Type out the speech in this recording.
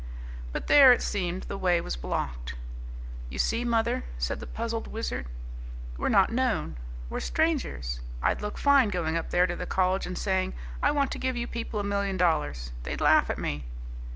But there, it seemed, the way was blocked. "You see, mother," said the puzzled Wizard, "we're not known. We're strangers. I'd look fine going up there to the college and saying, 'I want to give you people a million dollars.' They'd laugh at me!"